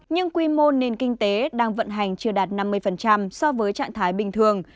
nhưng quy mô nền kinh tế đang vận hành chưa đạt năm mươi so với trạng thái bình thường